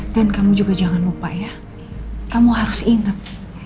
dan kamu juga jangan lupa ya kamu harus ingat